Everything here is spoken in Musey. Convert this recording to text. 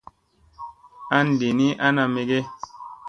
An li ni ana me ge.